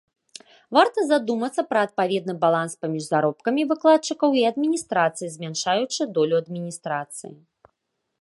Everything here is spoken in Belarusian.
Варта задумацца пра адпаведны баланс паміж заробкамі выкладчыкаў і адміністрацыі, змяншаючы долю адміністрацыі.